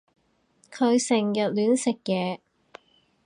佢成日亂食嘢